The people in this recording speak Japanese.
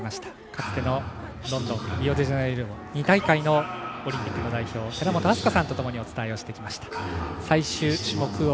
かつてのロンドンリオデジャネイロ、２大会のオリンピックの代表寺本明日香さんとともにお伝えをしてきました。